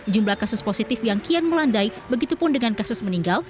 jumlah kasus positif yang kian melandai begitupun dengan kasus meninggal